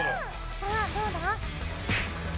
さあどうだ？